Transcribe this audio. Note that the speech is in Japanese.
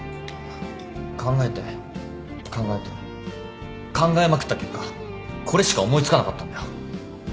考えて考えて考えまくった結果これしか思い付かなかったんだよ。